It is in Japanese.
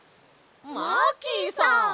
マーキーさん！